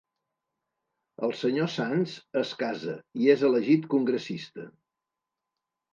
El Sr. Sands es casa i és elegit congressista.